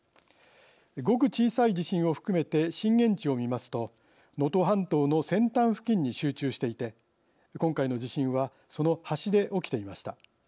ごく小さい地震を含めて震源地を見ますと能登半島の先端付近に集中していて今回の地震はその端で起きていました。